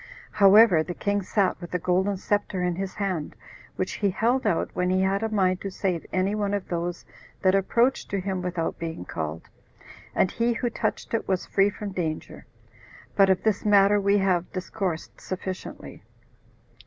However, the king sat with a golden scepter in his hand, which he held out when he had a mind to save any one of those that approached to him without being called, and he who touched it was free from danger. But of this matter we have discoursed sufficiently.